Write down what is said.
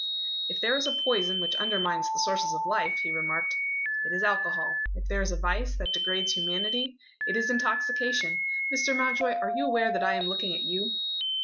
"If there is a poison which undermines the sources of life," he remarked, "it is alcohol. If there is a vice that degrades humanity, it is intoxication. Mr. Mountjoy, are you aware that I am looking at you?"